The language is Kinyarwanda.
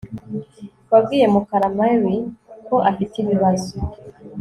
Wabwiye Mukara Mary ko afite ibibazo